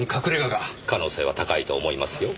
可能性は高いと思いますよ。